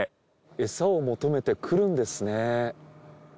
エサを求めて来るんですね。